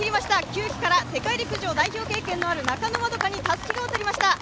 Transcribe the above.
久木から世界陸上代表経験がある中野円花にたすきが渡りました。